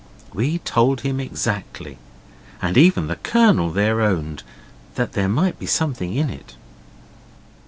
We told him exactly. And even the Colonel then owned there might be something in it.